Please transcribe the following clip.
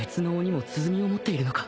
瓦鼓を持っているのか？